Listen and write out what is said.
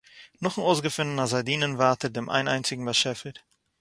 נאָכ'ן אויסגעפונען אַז זיי דינען ווייטער דעם איין-איינציגן באַשעפער